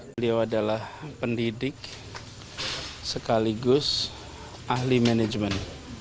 beliau adalah pendidik sekaligus ahli manajemen